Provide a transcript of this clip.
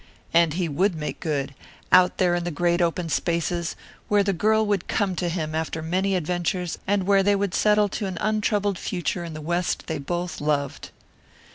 And he would make good out there in the great open spaces, where the girl would come to him after many adventures and where they would settle to an untroubled future in the West they both loved.